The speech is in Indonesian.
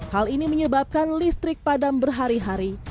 hal ini menyebabkan listrik padam berhari hari